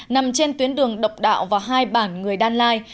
nằm trên tuyến đường độc đạo và hai bản người đan lai